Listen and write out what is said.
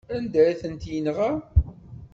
Anda ay tent-yenɣa?